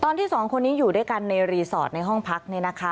สองคนนี้อยู่ด้วยกันในรีสอร์ทในห้องพักเนี่ยนะคะ